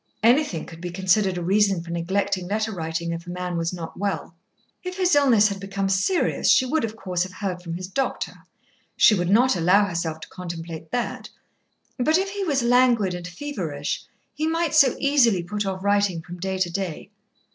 Anything could be considered a reason for neglecting letter writing if a man was not well. If his illness had become serious she would, of course, have heard from his doctor. She would not allow herself to contemplate that. But if he was languid and feverish, he might so easily put off writing from day to day.